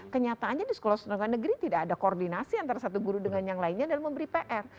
kenyataannya di sekolah sekolah negeri tidak ada koordinasi antara satu guru dengan yang lainnya dan memberi pr